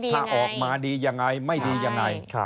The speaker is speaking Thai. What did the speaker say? ถ้าออกมาดียังไงไม่ดียังไง